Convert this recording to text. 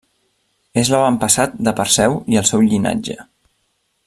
És l'avantpassat de Perseu i el seu llinatge.